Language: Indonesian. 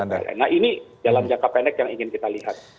nah ini dalam jangka pendek yang ingin kita lihat